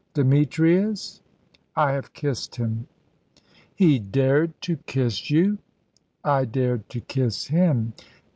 Demetrius?" "I have kissed him." "He dared to kiss you?" "I dared to kiss him."